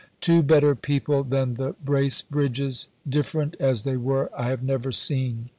Two better people than the Bracebridges, different as they were, I have never seen.